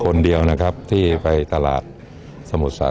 คนเดียวนะครับที่ไปตลาดสมุทรสา